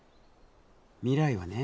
未来はね